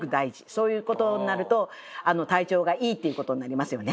そういうことになると体調がいいっていうことになりますよね。